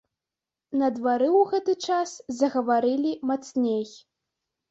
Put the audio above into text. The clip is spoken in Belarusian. На двары ў гэты час загаварылі мацней.